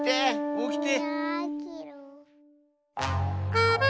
おきて。